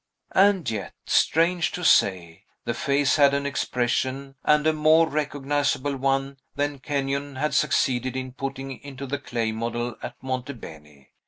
And yet, strange to say, the face had an expression, and a more recognizable one than Kenyon had succeeded in putting into the clay model at Monte Beni.